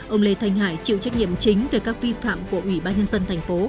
ông lê thanh hải chịu trách nhiệm chính về các vi phạm của ủy ban nhân dân tp